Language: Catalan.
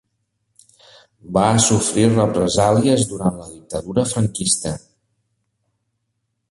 Va sofrir represàlies durant la dictadura franquista.